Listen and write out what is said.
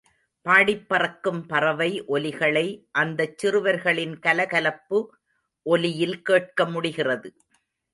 பாடிப் பறக்கும் பறவை ஒலிகளை அந்தச் சிறுவர்களின் கலகலப்பு ஒலியில் கேட்க முடிகிறது.